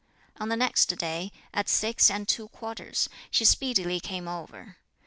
On the next day, at six and two quarters, she speedily came over.